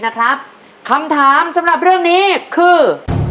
คำถามสำหรับเรื่องนี้คือ